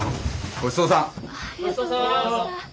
ごちそうさま！